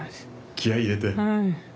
気合い入れて。